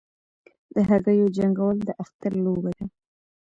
د هګیو جنګول د اختر لوبه ده.